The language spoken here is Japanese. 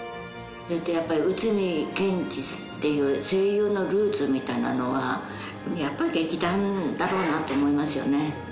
やっぱり内海賢二っていう声優のルーツみたいなのはやっぱり劇団だろうなと思いますよね。